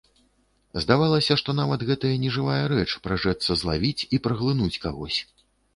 Здавалася, што нават гэтая нежывая рэч пражэцца злавіць і праглынуць кагось.